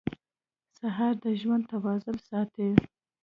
سهار د ژوند توازن ساتي.